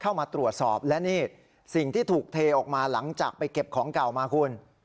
เข้ามาตรวจสอบและนี่สิ่งที่ถูกเทออกมาหลังจากไปเก็บของเก่ามาคุณ